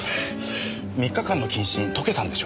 ３日間の謹慎解けたんでしょ？